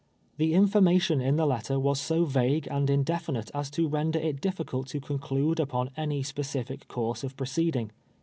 The information in the letter was so vagne and indefinite as to render it difticult to conclude upon any specific course of proceeding.